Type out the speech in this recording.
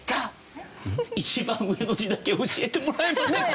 一番上の字だけ教えてもらえませんか？